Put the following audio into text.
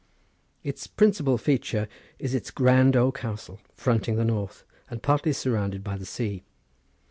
Its principal feature is its grand old castle, fronting the north, and partly surrounded by the sea.